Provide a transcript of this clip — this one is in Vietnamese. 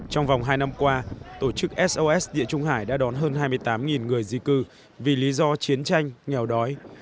trong vòng hai năm qua tổ chức sos địa trung hải đã đón hơn hai mươi tám người di cư vì lý do chiến tranh nghèo đói